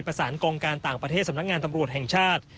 กองการต่างประเทศสำนักงานตำรวจแห่งชาติ